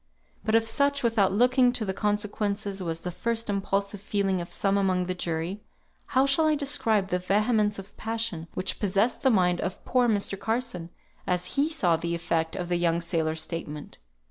But if such, without looking to the consequences, was the first impulsive feeling of some among the jury, how shall I describe the vehemence of passion which possessed the mind of poor Mr. Carson, as he saw the effect of the young sailor's statement?